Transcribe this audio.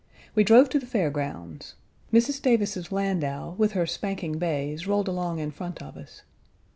We drove to the fair grounds. Mrs. Davis's landau, with her spanking bays, rolled along in front of us.